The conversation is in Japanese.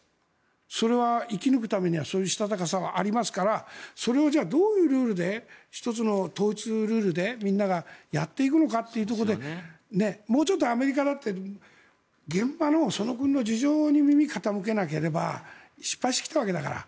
それは生き抜くためにはそういうしたたかさはありますからそれをどういうルールで１つの統一ルールでみんながやっていくのかというところでもうちょっとアメリカだって現場のその国の事情に耳を傾けなければ失敗してきたわけだから。